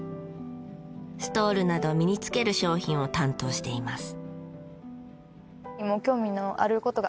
ストールなど身に着ける商品を担当しています。